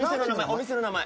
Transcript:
お店の名前。